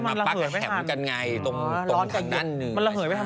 มาปักแห่มเกินไงตรงทางด้านนึง